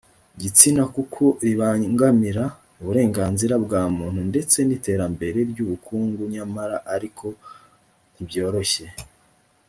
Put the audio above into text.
gitsina kuko ribangamira uburenganzira bwa muntu ndetse n iterambere ry ubukungu nyamara ariko ntibyoroshye